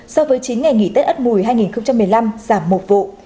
so với chín ngày nghỉ tết ấu mùi hai nghìn một mươi năm giảm một vụ